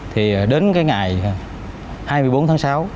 thì đến ngày hai mươi bốn tháng sáu